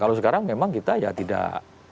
kalau sekarang memang kita ya tidak